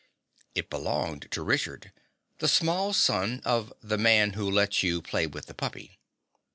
It belonged to Richard, the small son of the Man Who Lets You Play with the Puppy.